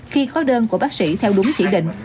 khi khó đơn của bác sĩ theo đúng chỉ định